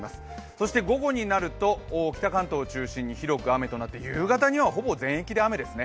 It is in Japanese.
そして午後になると北関東を中心に広く雨となって、夕方にはほぼ全域で雨ですね。